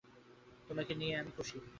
তোমাকে নিয়ে আমি খুশি।